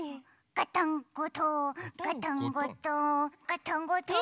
ガタンゴトーンガタンゴトーンガタンゴトーン。